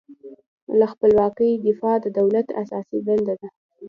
له خپلواکۍ دفاع د دولت اساسي دنده ده.